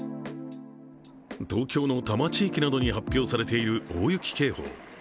東京の多摩地域などに発表されている大雪警報。